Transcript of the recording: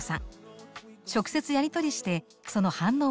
直接やり取りしてその反応を探ります。